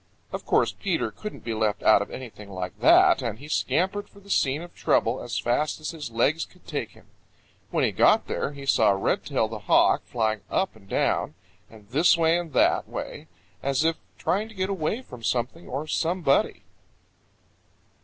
Of course, Peter couldn't be left out of anything like that, and he scampered for the scene of trouble as fast as his legs could take him. When he got there he saw Redtail the Hawk flying up and down and this way and that way, as if trying to get away from something or somebody.